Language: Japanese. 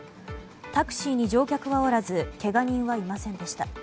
タクシーに乗客はおらずけが人はいませんでした。